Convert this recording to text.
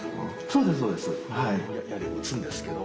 そうですそうです。